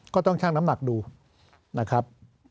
ก็ต้องช่างน้ำหนักดูนะครับ